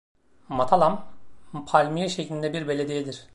Matalam, palmiye şeklinde bir belediyedir.